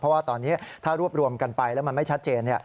เพราะว่าตอนนี้ถ้ารวบรวมกันไปแล้วมันไม่ชัดเจน